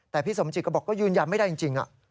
แต่พี่สมจิตก็บอกก็ยืนยันไม่ได้จริง